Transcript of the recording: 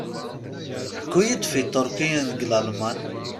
Ḥku-yi-d f Iturkiyen g Lalman.